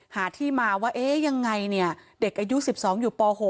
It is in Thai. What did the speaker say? หาที่มาว่าเอ๊ะยังไงเนี่ยเด็กอายุ๑๒อยู่ป๖